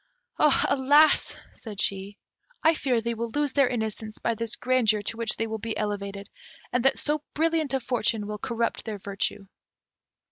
"Alas!" said she, "I fear they will lose their innocence by this grandeur to which they will be elevated, and that so brilliant a fortune will corrupt their virtue."